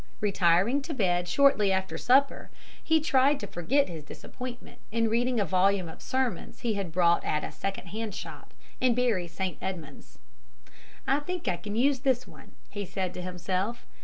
Retiring to bed directly after supper, he tried to forget his disappointment in reading a volume of sermons he had bought at a second hand shop in Bury St. Edmunds. "I think I can use this one," he said to himself.